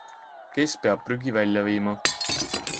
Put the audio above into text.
Kes peab prügi välja viima?